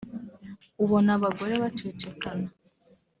ubona abagore bacicikana